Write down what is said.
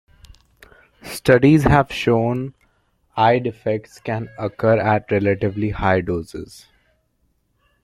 Studies have shown eye defects can occur at relatively high doses.